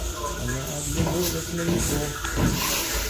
Она оглянулась на него.